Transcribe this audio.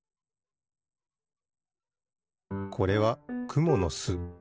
これはくものす。